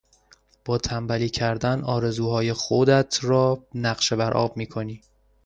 با تنبلی کردن آرزوهای خودت را نقش برآب میکنی.